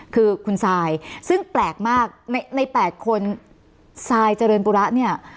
คือคุณซายซึ่งแปลกมากใน๘คนซายเจริญปุระเนี่ย